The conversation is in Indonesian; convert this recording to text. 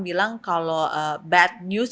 bilang kalau bad news